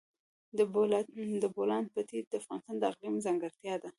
د بولان پټي د افغانستان د اقلیم ځانګړتیا ده.